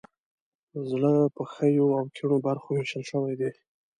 زړه په ښیو او کیڼو برخو ویشل شوی دی.